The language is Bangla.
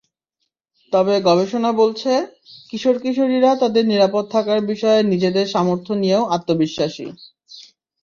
তবে গবেষণা বলছে, কিশোর-কিশোরীরা তাদের নিরাপদ থাকার বিষয়ে নিজেদের সামর্থ্য নিয়েও আত্মবিশ্বাসী।